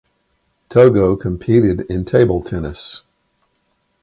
Togo competed in table tennis.